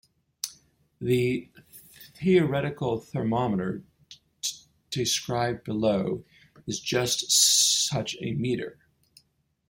The theoretical thermometer described below is just such a meter.